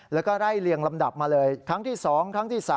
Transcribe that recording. แล้วก็ไล่เลียงลำดับมาเลยครั้งที่๒ครั้งที่๓